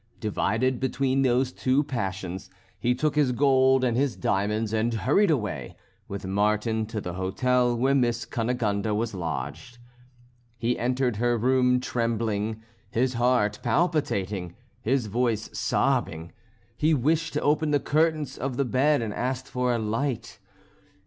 Divided between those two passions, he took his gold and his diamonds and hurried away, with Martin, to the hotel where Miss Cunegonde was lodged. He entered her room trembling, his heart palpitating, his voice sobbing; he wished to open the curtains of the bed, and asked for a light.